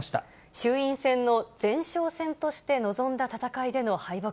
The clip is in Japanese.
衆院選の前哨戦として臨んだ戦いでの敗北。